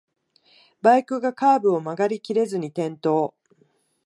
バイクがカーブを曲がりきれずに転倒